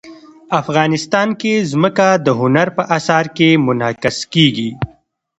افغانستان کې ځمکه د هنر په اثار کې منعکس کېږي.